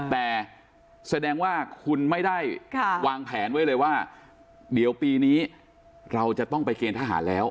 แต่แสดงว่าคุณไม่ได้วางแผนไว้เลยว่าเดี๋ยวปีนี้เราจะต้องไปเกณฑ์ทหารแล้ว